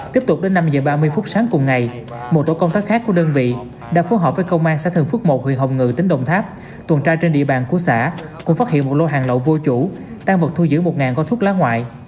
tiếp tục đến năm h ba mươi phút sáng cùng ngày một tổ công tác khác của đơn vị đã phối hợp với công an xã thường phước một huyện hồng ngự tỉnh đồng tháp tuần tra trên địa bàn của xã cùng phát hiện một lô hàng lậu vô chủ tan vật thu giữ một con thuốc lá ngoại